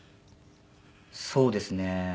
そうですね。